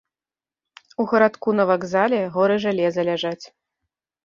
У гарадку на вакзале горы жалеза ляжаць.